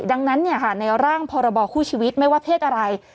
ดังนั้นในร่างพรบคู่ชีวิตไม่ว่าเพศอะไร